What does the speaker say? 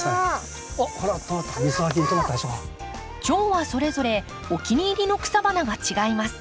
蝶はそれぞれお気に入りの草花が違います。